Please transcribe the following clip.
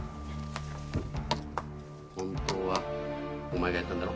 本当はお前がやったんだろ？